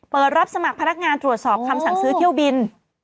รับสมัครพนักงานตรวจสอบคำสั่งซื้อเที่ยวบิน